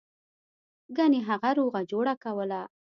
ګنې هغه روغه جوړه کوله.